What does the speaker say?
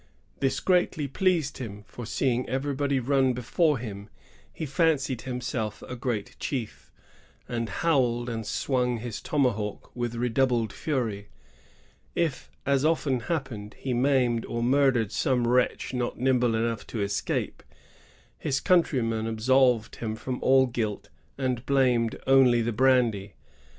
This greatly pleased him ; for, seeing every body run before him, he fancied himself a great chief, 1 Lalemant, Relation, 1648, p. 43. 124 MISSK)NS. — BRANDY QUESTION. [1663 1701 and howled and swung his tomahawk with redoubled fury. If, as often happened, he maimed or murdered some wretch not nimble enough to escape, his country men absolved him from all guilt, and blamed only the brandy.